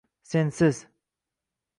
Sensiz.